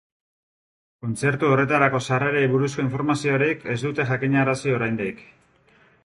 Kontzertu horretarako sarrerei buruzko informaziorik ez dute jakinarazi oraindik.